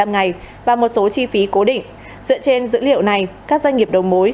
một mươi năm ngày và một số chi phí cố định dựa trên dữ liệu này các doanh nghiệp đầu mối